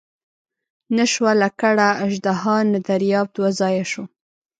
نه شوه لکړه اژدها نه دریاب دوه ځایه شو.